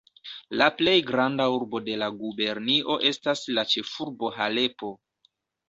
La plej granda urbo de la gubernio estas la ĉefurbo Halepo.